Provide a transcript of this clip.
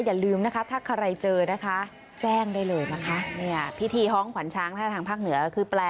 อย่าลืมถ้าเจอแจ้งได้เลยนะคะพิธีฮ้องขวัญช้างทหารภาคเหนือ